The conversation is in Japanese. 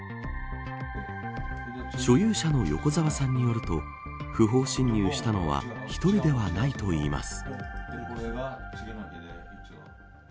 所有者の横澤さんによると不法侵入したのは１人ではないといいます。